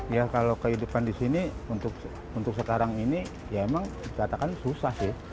ya kalau kehidupan di sini untuk sekarang ini ya emang dikatakan susah sih